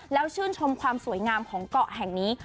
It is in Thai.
แล้วชื่นชมความสวยงามของเกาะแห่งนี้